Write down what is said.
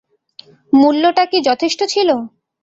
মূল্যটা কি যথেষ্ট ছিল?